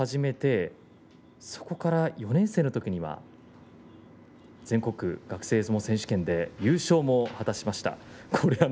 そして大学から相撲を始めてそこから４年生のときには全国学生相撲選手権で優勝も果たしました。